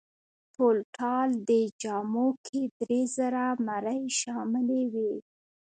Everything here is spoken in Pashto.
ټولټال دې جامو کې درې زره مرۍ شاملې وې.